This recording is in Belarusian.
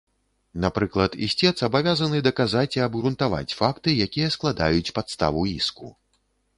Напрыклад, ісцец абавязаны даказаць і абгрунтаваць факты, якія складаюць падставу іску.